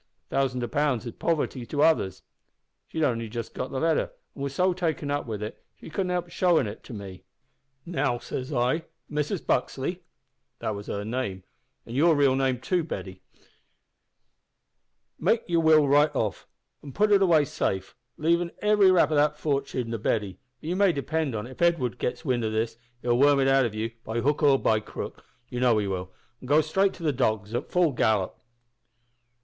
Thousands o' pounds is poverty to others. She'd only just got the letter, an' was so taken up about it that she couldn't help showin' it to me. "`Now,' says I, `Mrs Buxley,' that was her name, an' your real name too, Betty says I, `make your will right off, an putt it away safe, leavin' every rap o' that fortin to Betty, for you may depend on't, if Edwin gits wind o' this, he'll worm it out o' you, by hook or by crook you know he will and go straight to the dogs at full gallop.'